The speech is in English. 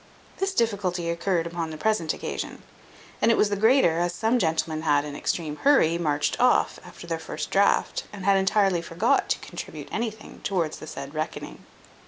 This difficulty occurred upon the present occasion; and it was the greater, as some gentlemen had, in their extreme hurry, marched off, after their first draught, and had entirely forgot to contribute anything towards the said reckoning.